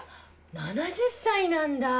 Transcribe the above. ７０歳なんだ！